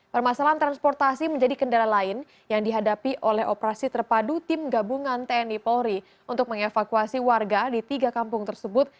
permasalahan transportasi menjadi kendala lain yang dihadapi oleh operasi terpadu tim gabungan tni polri untuk mengevakuasi warga di tiga kampung tersebut